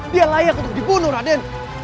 dia layak untuk dibunuh raden